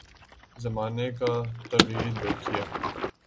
زمانے کا تغیر دیکھیے۔